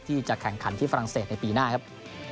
ที่จะแข่งขันที่ฝรั่งเศสในปีหน้าครับ